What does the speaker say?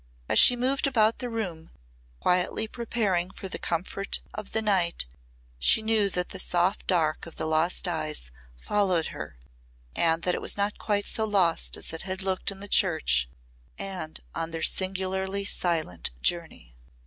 As she moved about the room quietly preparing for the comfort of the night she knew that the soft dark of the lost eyes followed her and that it was not quite so lost as it had looked in the church and on their singularly silent journey.